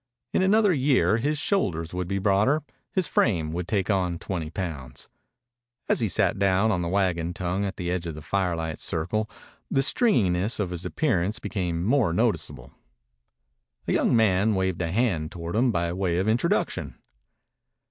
In another year his shoulders would be broader, his frame would take on twenty pounds. As he sat down on the wagon tongue at the edge of the firelit circle the stringiness of his appearance became more noticeable. A young man waved a hand toward him by way of introduction.